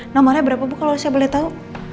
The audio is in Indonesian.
nomornya berapa bu kalau saya boleh tahu